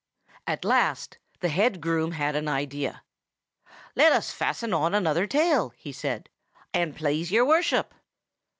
At last the head groom had an idea. "Let us fasten on another tail," he said, "an't please your worship!"